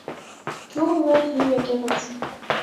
Գյուղն ուներ հին եկեղեցի։